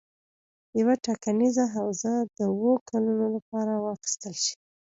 یوه ټاکنیزه حوزه د اووه کلونو لپاره واخیستل شي.